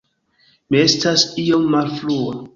Mi estas iom malfrua